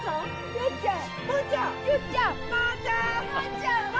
よっちゃん！